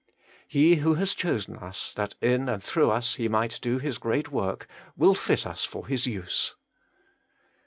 3. He who has chosen us, that in and through us He might do His great work, will fit us for His use.